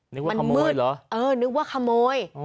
นึกว่าขโมยเหรอเออนึกว่าขโมย